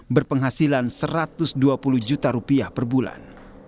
berpenghasilan satu ratus dua puluh juta rupiah per bulan